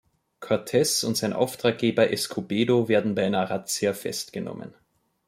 Cortez und sein Auftraggeber Escobedo werden bei einer Razzia festgenommen.